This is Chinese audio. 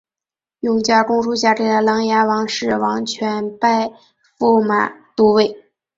永嘉公主嫁给了琅琊王氏王铨拜驸马都尉。